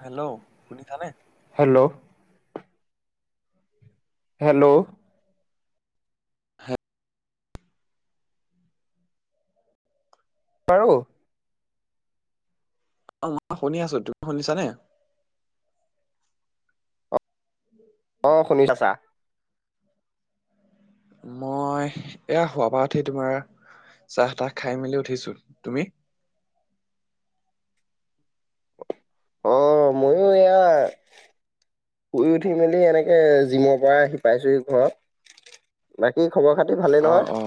Hello শুনিছা নে? Hello hello হে বাৰু অ মই শুনি আছো। তুমি শুনিছানে? অঁ শুনি আছা। মই এয়া শুৱা পা উঠি তোমাৰ চাহ তাহ খাই মেলি উঠিছো। তুমি? অ মইও এয়া, শুই উঠি মেলি এনেকে জিমৰ পৰা আহি পাইছোহি ঘৰত। বাকী খবৰ খাতি ভালেই অ অ নহয়?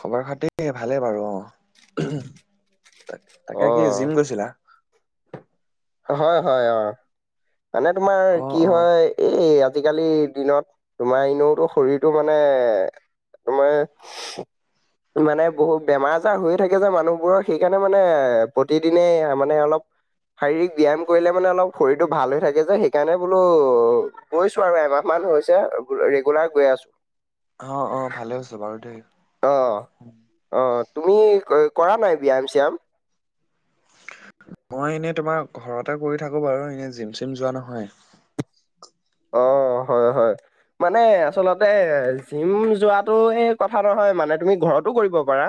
খবৰ খাতি ভালে বাৰু অ। তাকে কি জিম অ গৈছিলা? হয় হয় অ। মানে তোমাৰ অ কি অ হয়, এই আজিকালিৰ দিনত, তোমাৰ এনেওতো শৰীৰটো মানে- তোমাৰ মানে বহুত বেমাৰ আজাৰ হৈয়ে থাকে যে মানুহবোৰৰ। সেইকাৰণে মানে প্ৰতিদিনে মানে অলপ, শাৰীৰিক ব্যায়াম কৰিলে মানে অলপ শৰীৰটো ভাল হৈ থাকে যে, সেইকাৰণে বোলো গৈছো আৰু এমাহ মান হৈছে। ৰেগুলাৰ গৈ আছো। অ অ ভালে হৈছে বাৰু দেই। অ অ। তুমি কৰা নাই ব্যায়াম চ্যায়াম? মই এনে তোমাৰ ঘৰতে কৰি থাকো বাৰু, এনে জিম চিম যোৱা নহয়। অ হয় হয়। মানে আচলতে জিম যোৱাটো এই কথা নহয় মানে তুমি ঘৰতো কৰিব পাৰা।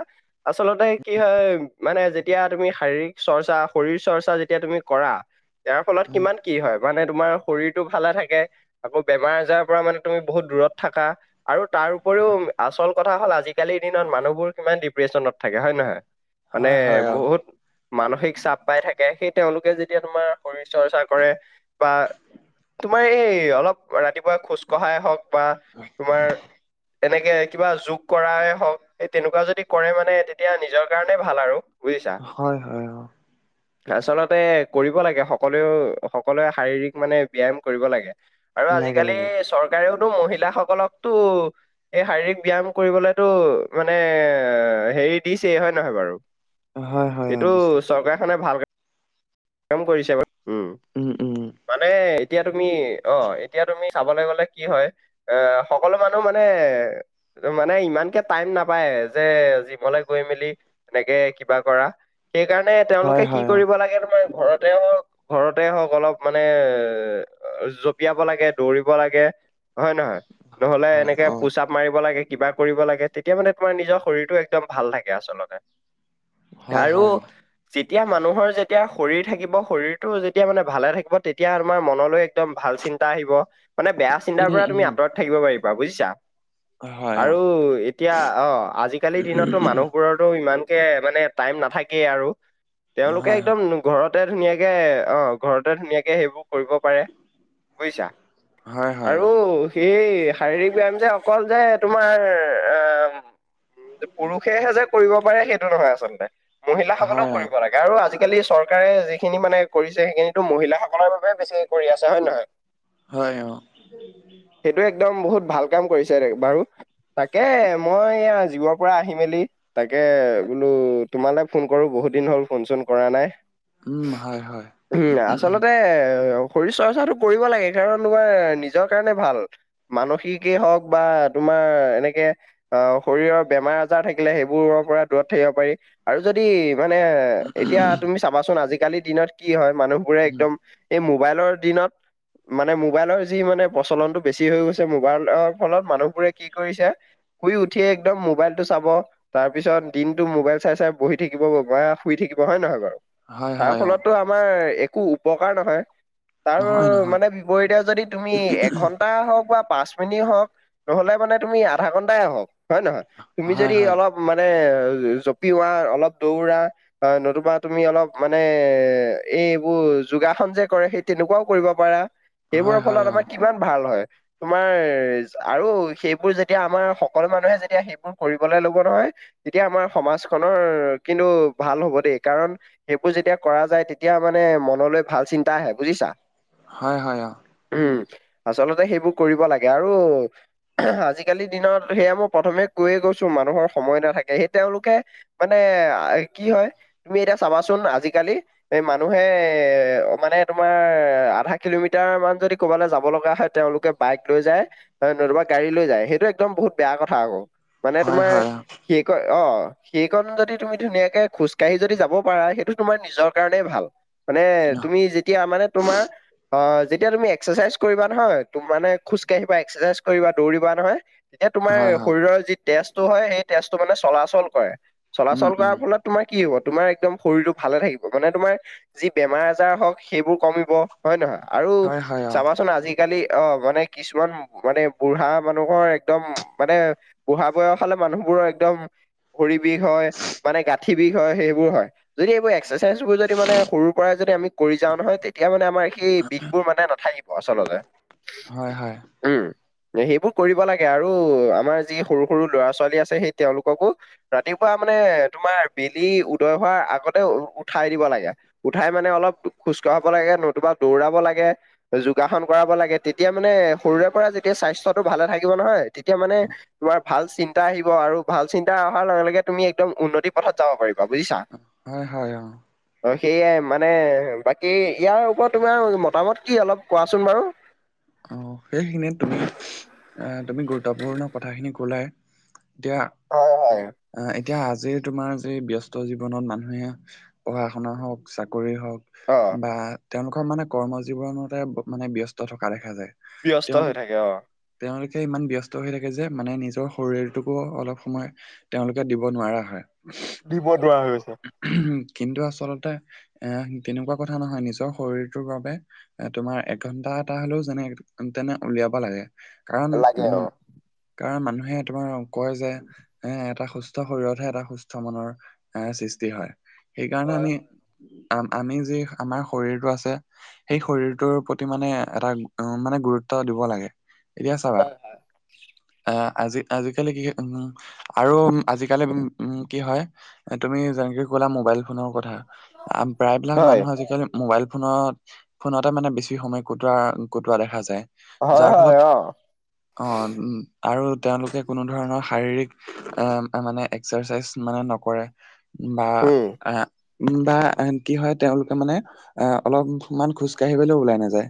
আচলতে কি হয় মানে যেতিয়া তুমি শাৰীৰিক চৰ্চা, শৰীৰ চৰ্চা যেতিয়া তুমি কৰা- ইয়াৰ ফলত উম কিমান কি হয়, মানে তোমাৰ শৰীৰটো ভালে থাকে। আকৌ বেমাৰ আজাৰৰ পৰা মানে তুমি বহুত দূৰত থাকা। আৰু তাৰ উপৰিও আচল কথা হ'ল আজিকালিৰ দিনত মানুহবোৰ কিমান ডিপ্ৰেশচনত থাকে হয় নহয়। মানে হয় হয় অ বহুত মানসিক চাপ পাই থাকে। সেই তেওঁলোকে যেতিয়া তোমাৰ শৰীৰ চৰ্চা কৰে বা, তোমাৰ এই অলপ ৰাতিপুৱা খোজ কঢ়াই হওক বা তোমাৰ তেনেকে কিবা যোগ কৰাই হওক এই তেনেকুৱা যদি কৰে মানে তেতিয়া নিজৰ কাৰণেই ভাল আৰু। বুজিছা হয় হয় হয়। আচলতে কৰিব লাগে সকলো সকলোৱে শাৰীৰিক মানে ব্যয়াম কৰিব লাগে। আৰু লাগে আজিকালি লাগে চৰকাৰেওতো মহিলাসকলকতো এই শাৰীৰিক ব্যায়াম কৰিবলৈতো মানে হেৰি দিছেই হয় নহয় বাৰু? হয় হয় অ এইটো দিছে চৰকাৰখনে ভাল কাম কৰিছে ব উম মানে এতিয়া তুমি অ এতিয়া তুমি চাবলৈ গলে কি হয় এ সকলো মানুহ মানে মানে ইমানকে টাইম নাপায় যে জিমলৈ গৈ মেলি তেনেকে কিবা কৰা সেইকাৰণে হয় তেওঁলোকে কি হয় অ কৰিব লাগে তোমাৰ ঘৰতেও মানে ঘৰতে হওক অলপ মানে এ জপিয়াব লাগে, দৌৰিব লাগে। হয় নহয়? হয় নহলে হয় এনেকে অ পোচাপ মাৰিব লাগে, কিবা কৰিব লাগে তেতিয়া মানে তোমাৰ নিজৰ শৰীৰটো একদম ভাল থাকে আচলতে। হয় আৰু হয় অ যেতিয়া মানুহৰ যেতিয়া শৰীৰ থাকিব, শৰীৰটো যেতিয়া মানে ভালে থাকিব তেতিয়া আমাৰ মনলৈ একদম ভাল চিন্তা আহিব মানে বেয়া চিন্তাৰ উম পৰা উম তুমি আঁতৰত থাকিব পাৰিবা বুজিছা। হয় অ আৰু এতিয়া অ আজিকালিৰ দিনতো মানুহবোৰতো ইমান তে মানে টাইম নাথাকে আৰু তেওঁলোকে হয় হয় একদম ঘৰতে ধুনীয়াকে অ ঘৰতে ধুনীয়াকে সেইবোৰ কৰিব পাৰে। বুজিছা হয় হয় অ আৰু সেই শাৰীৰিক ব্যায়াম যে অকল যে তোমাৰ আম উম পুৰুষেহে যে কৰিব পাৰে সেইটো নহয় আচলতে। মহিলাসকলেও হয় অ কৰিব লাগে আৰু আজিকালি চৰকাৰে যি খিনি মানে কৰিছে সেইখিনিতো মহিলাসকলৰ বাবে বেছিকে কৰি আছে হয় নে নহয়? হয়, অহ। সেইটো একদম বহুত ভাল কাম কৰিছে বাৰু। তাকে মই এইয়া জিমৰ পৰা আহি মেলি তাকে বোলো তোমালৈ ফোন কৰো, বহুত দিন হ'ল ফোন - চোন কৰা নাই। উম হয় হয় চু উম আচলতে হৰি চোৱা ত সেইটো কৰিব লাগে কাৰণ তোমাৰ নিজৰ কাৰণেই ভাল। মানসিকেই হওক বা তোমাৰ এনেকে অহ, শৰীৰৰ বেমাৰ - আজাৰ থাকিলে সেইবোৰৰ পৰা দূৰত থাকিব পাৰি আৰু যদি মানে এতিয়া তুমি চাবাচোন আজিকালিৰ দিনত কি হয়, মানুহবোৰে উম একদম এই মোবাইলৰ দিনত মানে মোবাইলৰ যি মানে প্ৰচলনটো বেছি হৈ গৈছে, মোবাইলৰ ফলত মানুহবোৰে কি কি কৰিছে, শুই উঠিয়েই একদম মোবাইলটো চাব তাৰ পিছত দিনটো মোবাইল চাই - চাই বহি থাকিব বা শুই থাকিব হয় ন নহয় বাৰু? হয় তাৰ হয় অ ফলতো আমাৰ একো উপকাৰ নহয়। তৰ নহয় নহয় মানে বিপৰীতে যদি তুমি এঘন্টা হওক বা পাঁচ খিনি হওক, নহলে মানে তুমি আধা ঘন্টাই হওক, হয়নে নহয়? তুমি হয় যদি হয় অলপ মানে জঁপিওৱা, অলপ দৌৰা অ', নতুবা তুমি অলপ মানে এ এই এইবোৰ যোগাসন যে কৰে, সেই তেনেকুৱাও কৰিব পাৰা, হয় সেইবোৰৰ হয় ফলত অ আমাৰ কিমান ভাল হয়। তোমাৰ যি আৰু সেইবোৰ যেতিয়া আমাৰ সকলো মানুহে যেতিয়া সেইবোৰ কৰিবলৈ লব নহয় তেতিয়া আমাৰ সমাজখনৰ কিন্তু ভাল হব দেই কাৰণ সেইবোৰ যেতিয়া কৰা যায়, তেতিয়া মানে মনলৈ ভাল চিন্তা আহে বুজিছা। হয় হয়, অহ। উম, আচলতে সেইবোৰ কৰিব লাগে আৰু অহ আজিকালিৰ দিনত সেয়া মই প্ৰথমে কৈয়েই গৈছো, মানুহৰ সময় নাথাকে সেই তেওঁলোকে মানে কি হয়? তুমি এতিয়া চাবাচোন আজিকালি, এ মানুহে এ মানে তোমাৰ আধা কিলোমিটাৰ মান যদি ক'ৰবালৈ যাব লগা হয়, তেওঁলোকে বাইক লৈ যায়। হয় নতুবা গাড়ী লৈ যায়, সেইটো একদম বহুত বেয়া কথা আকৌ, মানে হয় তোমাৰ হয় সি কয় অহঁ। সেইকণ যদি তুমি ধুনীয়াকে খোজকাঢ়ি যদি যাব পাৰা, সেইটো তোমাৰ নিজৰ কাৰণেই ভাল। মানে অ তুমি যেতিয়া মানে তোমাৰ অ, যেতিয়া তুমি এক্সাৰচাইজ কৰিবা নহয়, তো মানে খোজকাঢ়িবা, এক্সাৰচাইজ কৰিবা, দৌৰিবা নহয়। তেতিয়া তোমাৰ হয় হয় শৰীৰৰ যি তেজটো হয়, সেই তেজটো মানে চলাচল কৰে। উম চলাচল কৰাৰ উম ফলত তোমাৰ কি হ'ব? তোমাৰ একদম শৰীৰটো ভালে থাকিব, মানে তোমাৰ যি বেমাৰ আজাৰ হওক সেইবোৰ কমিব। হয়নে নহয়? আৰু হয় হয় অ চাবাচোন আজি আজি কালি অঁ মানে কিছুমান মানে বুঢ়া মানুহৰ একদম মানে বুঢ়া বয়সলে মানুহবোৰ একদম ভৰি বিষ হয়, মানে গাঁঠি বিষ হয় সেইবোৰ হয়, যদি এইবোৰ এক্সাৰচাইজবোৰ যদি মানে সৰুৰ পৰাই যদি আমি কৰি যাওঁ নহয়, তেতিয়া মানে আমাৰ সেই বিষবোৰ মানে নাথাকিব আচলতে হয়, হয় উম সেইবোৰ কৰিব লাগে, আৰু আমাৰ যি সৰু সৰু ল'ৰা ছোৱালী আছে, সেই তেওঁলোককো ৰাতিপুৱা মানে তোমাৰ বেলি উদয় হোৱাৰ আগতেই উ উঠাই দিব লাগে। উঠাই মানে অলপ খোজ কঢ়াব লাগে, নতুবা দৌৰাব লাগে। যোগাসন কৰাব লাগে, তেতিয়া মানে সৰুৰে পৰা যেতিয়া স্বাস্থ্যটো ভালে থাকিব নহয়, তেতিয়া মানে তোমাৰ ভাল চিন্তা আহিব আৰু ভাল চিন্তা অহাৰ লগে লগে তুমি একদম উন্নতি পথত যাব পাৰিবা। বুজিছা? হয় হয় অ অঁ সেয়াই মানে বাকী ইয়াৰ ওপৰত তোমাৰ মতামত কি অলপ কোৱাচোন বাৰু। অহ, সেইখিনিত তুমি অহঁ তুমি গুৰুত্ত্বপূৰ্ণ কথাখিনি কলাই। এতিয়া হয় হয়। আঁহ এতিয়া আজি তোমাৰ যি ব্যস্ত জীৱনত মানুহে পঢ়া শুনা হওক, চাকৰি হওক অ বা তেওঁলোকৰ মানে কৰ্ম জীৱনতে মানে ব্যস্ত থকা দেখা যায়। ব্যস্ত হৈ তেওঁলোক থাকে অ। তেওঁলোকে ইমান ব্যস্ত হৈ থাকে যে, যেমানে নিজৰ শৰীৰটোকো অলপ সময় তেওঁলোকে দিব নোৱাৰা হয়। দিব নোৱাৰা হৈ গৈছে। উমহ, কিন্তু আচলতে এ তেনেকুৱা কথা নহয় নিজৰ শৰীৰটোৰ বাবে এ তোমাৰ এঘন্টাত টা হ'লেও যেনে তেনে উলিয়াবা লাগে। কাৰণ লাগে অ। উম কাৰণ মানুহে তোমাৰ কয় যে এ এটা সুস্থ শৰীৰতহে এটা সুস্থ মনৰ এ সৃষ্টি হয়। সেইকাৰণে হয় আমি আ আমি যি আমাৰ শৰীৰটো আছে, সেই শৰীৰটোৰ প্ৰতি মানে এটা উম মানে গুৰুত্ব দিব লাগে। এতিয়া চাবা হয় আহঁ আজি আজি কালি কি হয় উম আৰু আজিকালি উ উম কি হয় তুমি যেনেকে কলা মোবাইল ফোনৰ কথা। প্ৰায়বিলাক হয় মানুহ আজিকালি মোবাইল ফোনত, ফোনতে মানে বেছি সময়- কুটোৱা কুটোৱা দেখা যায়। যাৰ হয় হয় ফলত- অ অ উ আৰু তেওঁলোকে কোনো ধৰণৰ শাৰীৰিক এ মানে- এক্সাৰচাইজ মানে নকৰে বা উম এ- বা কি হয় তেওঁওলোকে মানে অলপ মান খোজ কাঢ়িবলৈও ওলাই নাযায়।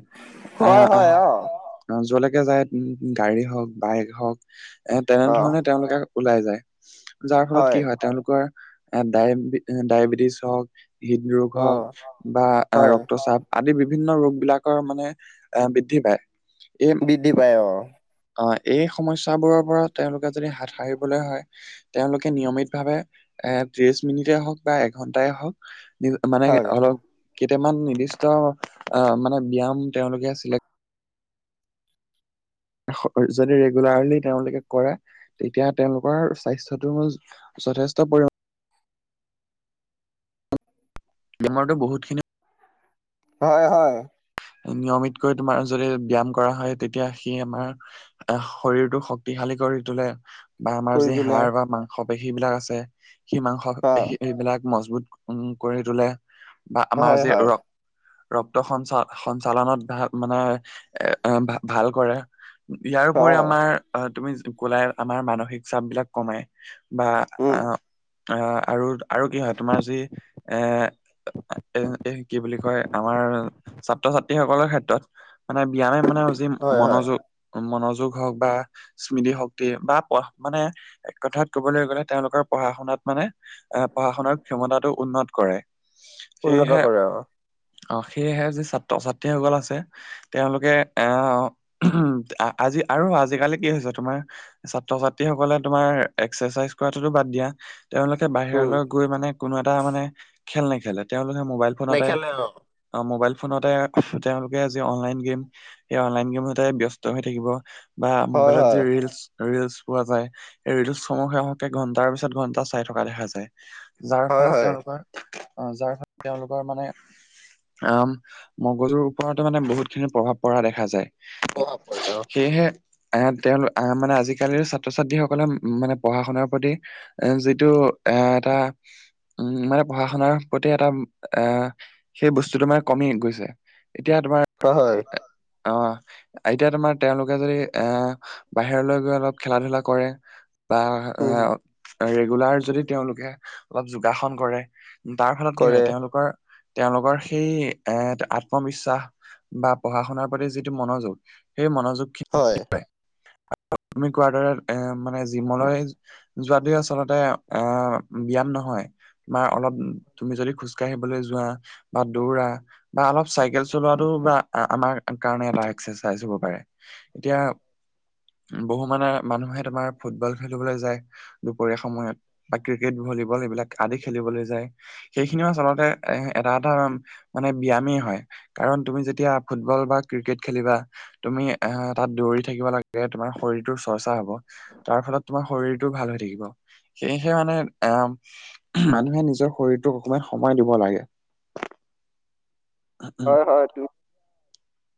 হয় আহ আহ হয় অ যলৈকে যাই গাড়ী হওক বাইক হওক। এ অ তেনেধৰণে তেওঁলোকে ওলাই যায়। যাৰ ফলত কি হয় তেওঁলোকৰ- ডায় ডায়েবেটিছ হওক, হৃদৰোগ অ হওক বা হয় ৰক্তচাপ। আদি বিভিন্ন ৰোগ বিলাকৰ মানে এ বৃদ্ধি পায়। এই- বৃদ্ধি পাই অ। অ এই সমস্যাবোৰৰ পৰা তেওঁলোকে যদি হাত সাৰিবলৈ হয়। তেওঁলোকে নিয়মিত ভাৱে, এ ত্ৰিশ মিনিটেই হওক বা এঘন্টাই হওক। মানে হয় অলপ কেইটামান নিৰ্দিষ্ট আহ মানে ব্যয়াম- তেওঁলোকে চিলেক্ট- যদি ৰেগুলাৰলি তেওঁলোকে কৰে তেতিয়া তেওঁলোকৰ স্বাস্থ্যটো, যথেষ্ট পৰিমাণ। বেমাৰটো বহুতখিনি, হয় হয়। নিয়মিতকৈ তোমাৰ যদি ব্যয়াম কৰা হয় তেতিয়া সেই আমাৰ- তাৰ শৰীৰটো শক্তিশালী কৰি তোলে। বা আমাৰ কৰি যি তোলে হাৰ বা মাংস পেশী বিলাক আছে। সেই মাংস অ পেশী বিলাক মজবুত- উম কৰি তোলে। বা আমাৰ হয় যি হয় ৰক্ত ৰক্ত সঞ্চালন- সঞ্চালনত ভাল মানে এ ভাল কৰে ইয়াৰ অ ওপৰি আমাৰ- আহ তুমি কলাই আমাৰ মানসিক চাপ বিলাক কমাই বা উম আহ- অ আৰু আৰু কি হয় তোমাৰ যি- এ এ এই কি বুলি কয় আমাৰ- ছাত্ৰ ছাত্ৰীসকলৰ ক্ষেত্ৰত, মানে ব্যায়ামে মানে জি হয় হয় মনোযোগ- মনোযোগ হওক বা, স্মৃতিশক্তি বা মানে এক কথাত কবলৈ গ'লে তেওঁলোকৰ পঢ়া শুনাত মানে- এ পঢ়া শুনাৰ ক্ষমতাটো উন্নত কৰে। উন্নত সেয়েহে, কৰে অ অ সেয়েহে যি ছাত্ৰ ছাত্ৰীসকল আছে। তেওঁলোকে আহ উ আজি আৰু আজিকালি কি হৈছে তোমাৰ- ছাত্ৰ ছাত্ৰী সকলে তোমাৰ এক্সাৰচাইজ কৰাটোতো বাদ দিয়া। তেওঁলোকে উম বাহিৰলৈ গৈ মানে কোনো এটা মানে খেল নেখেলে তেওঁলোকে মোবাইল ফোনতে- নেখেলে অ অ মোবাইল- ফোনতে তেওঁলোকে যে আন লাইন গেম সেই অন লাইন গেমতে ব্যস্ত হৈ থাকিব। বা হয় মোবাইলত যে হয় ৰিলচ- ৰিলচ পোৱা যায় এই ৰিলচসমূহে হকে ঘন্টাৰ পিছত ঘন্টা চাই থকা দেখা যায়। যাৰ হয় ফলত হয় তেওঁলোকৰ যাৰ ফলত তেওঁলোকৰ মানে উম, মগজুৰ ওপৰৰত মানে বহুত খিনি প্ৰভাৱ পৰা দেখা যায়। প্ৰভাৱ পৰে অ সেয়েহে- আহ তেওঁল আহ মানে আজিকালিৰ ছাত্ৰ ছাত্ৰীসকলে মানে পঢ়া শুনাৰ প্ৰতি- এ যিটো এ এটা। উম মানে পঢ়া শুনাৰ প্ৰতি এটা আহ সেই বস্তুটো মানে, কমি গৈছে। এতিয়া তোমাৰ- হয় হয় অহ আইতা তোমাৰ তেওঁলোকে যদি এ বাহিৰলৈ গৈ অলপ খেলা ধূলা কৰে বা উম এ ৰেগুলাৰ যদি তেওঁলোকে অলপ যোগাসন কৰে তাৰ ফলত কি কৰে হয় তেওঁলোকৰ তেওঁলোকৰ সেই এ আত্মবিশ্বাস বা পঢ়া শুনাৰ প্ৰতি যিটো মনোযোগ সেই মনোযোগ খি হয় তুমি কোৱাৰ দৰে এ মানে জিমলৈ যোৱাটোৱে আচলতে আহ ব্যায়াম নহয় বা অলপ তুমি যদি খোজ কাঢ়িবলৈ যোৱা বা দৌৰা বা অলপ চাইকেল চলোৱাটো বা আ আমাৰ কাৰণে এটা এক্সাৰচাইজ হব পাৰে এতিয়া বহু মানে মানুহে তোমাৰ ফুটবল খেলিবলৈ যায় দুপৰীয়া সময়ত বা ক্ৰিকেট ভলীবল সেইবিলাক আদি খেলিবলৈ যায় সেইখিনিও আচলতে এ এটা এটা মানে ব্যায়ামেই হয় কাৰণ তুমি যেতিয়া ফুটবল বা ক্ৰিকেট খেলিবা তুমি আহ তাত দৌৰি থাকিব লাগে তোমাৰ শৰীৰটোৰ চৰ্চা হব তাৰ ফলত তোমাৰ শৰীৰটো ভাল হৈ থাকিব সেয়েহে মানে এহ মানুহে নিজৰ শৰীৰটোক অকমান সময় দিব লাগে উম হয় হয় তুমি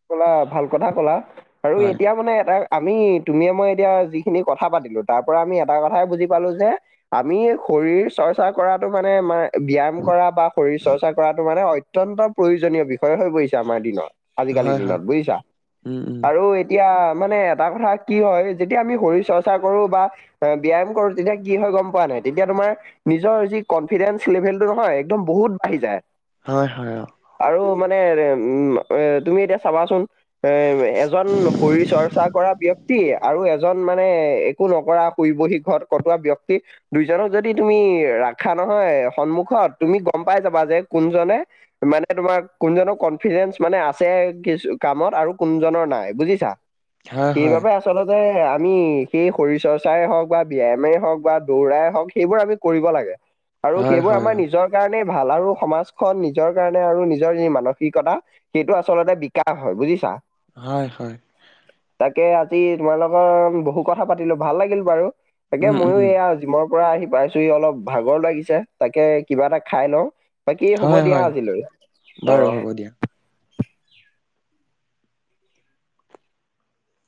কলা ভাল কথা কলা আৰু হয় এতিয়া মানে এটা আমি তুমিয়ে মই এতিয়া যিখিনি কথা পাতিলো তাৰ পৰা আমি এটা কথাই বুজি পালো যে আমি শৰীৰ চৰ্চা কৰাটো মানে মাই ব্যায়াম কৰা বা শৰীৰ চৰ্চা কৰাটো মানে অত্যন্ত প্ৰয়োজনীয় বিষয় হৈ পৰিছে আমাৰ দিনত আজিকালিৰ হয় হয় দিনত বুজিছা উম উম আৰু এ তিয়া মানে এটা কথা কি হয় যেতিয়া আমি শৰীৰ চৰ্চা কৰো বা অ ব্যায়াম কৰো তেতিয়া কি হয় গম পোৱা নাই তেতিয়া তোমাৰ নিজৰ যি কনফিডেন্স লেভেলটো নহয় একদম বহুত বাঢ়ি যায় হয় হয় অ আৰু মানে এ উম এ তুমি এতিয়া চাবাচোন এ এজন শৰীৰ চৰ্চা কৰা ব্যক্তি আৰু এজ এজন মানে একো নকৰা শুইবহি ঘৰত কটোৱা ব্যক্তি দুইজনক যদি তুমি ৰাখা নহয় সন্মুখত তুমি গম পাই যাবা যে কোনজনে এ তোমাৰ কোনজনৰ কনফিডেন্ঞ্চ মানে আছে কিছু কামত আৰু কোনজনৰ নাই বুজিছা হয় হয় সেইবাবে আচ আচলতে আমি সেই শৰীৰ চৰ্চাই হওক বা ব্যায়ামেই হওক বা দৌৰাই হওক সেইবোৰ আমি কৰিব লাগে আৰু হয় সেইবোৰ হয় আমাৰ অ নিজৰ কাৰণেই ভাল আৰু সমাজখন নিজৰ কাৰ নে আৰু নিজৰ এই মানসিকতা সেইটো আচলতে বিকাশ হয় বুজিছা হয় হয় তাকে আজি তোমাৰ লগৰ বহু কথা পাতিলো ভাল লাগিল বাৰু তাকে উম ময়ো উম এয়া জিমৰ পৰা আহি পাইছোহি অলপ ভাগৰ লাগিছে তাকে কিবা এটা খাই লওঁ বাকী হ'ব হয় দিয়া হয় আজিলৈ অ বাৰু হ'ব দিয়া।